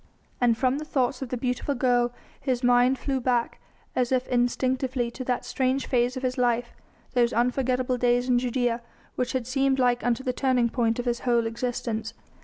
And from the thoughts of the beautiful girl his mind flew back as if instinctively to that strange phase of his life those unforgettable days in Judæa which had seemed like unto the turning point of his whole existence.